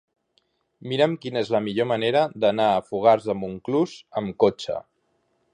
Mira'm quina és la millor manera d'anar a Fogars de Montclús amb cotxe.